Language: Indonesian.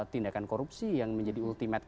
tindakan korupsi yang menjadi ultimate